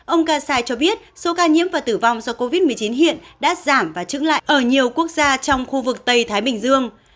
ông kasai cho biết số ca nhiễm và tử vong do covid một mươi chín hiện đã giảm và trứng lại ở nhiều quốc gia trong khu vực tây thái bình dương